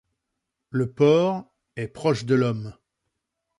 Le porc est proche de l'homme.